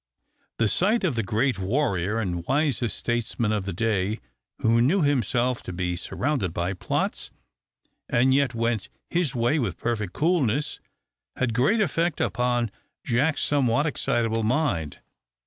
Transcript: The sight of the great warrior and wisest statesman of the day, who knew himself to be surrounded by plots, and yet went his way with perfect coolness, had great effect upon Jack's somewhat excitable mind.